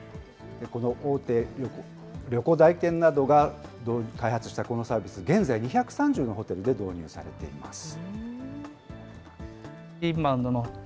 この大手旅行代理店などが開発したこのサービス、現在２３０のホテルで導入されています。